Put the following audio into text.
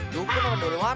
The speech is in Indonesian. dukun apa dorongan